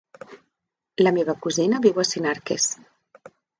La meva cosina viu a Sinarques.